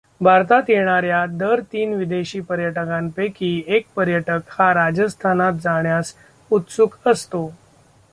भारतात येणार् या दर तीन विदेशी पर्यटकांपैकी एक पर्यटक हा राजस्थानात जाण्यास उत्सुक असतो.